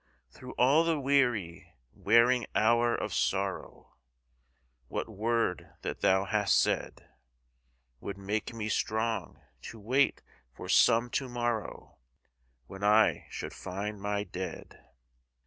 Through all the weary, wearing hour of sorrow, What word that thou hast said Would make me strong to wait for some to morrow When I should find my dead?